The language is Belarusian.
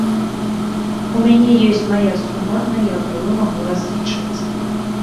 У мяне ёсць мая сума, на якую магу разлічваць.